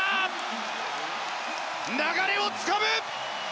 流れをつかむ！